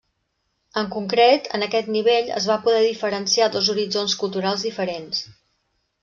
En concret, en aquest nivell es va poder diferenciar dos horitzons culturals diferents.